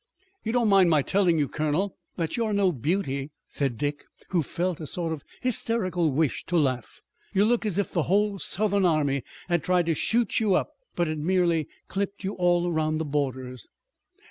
"You don't mind my telling you, colonel, that you're no beauty," said Dick, who felt a sort of hysterical wish to laugh. "You look as if the whole Southern army had tried to shoot you up, but had merely clipped you all around the borders."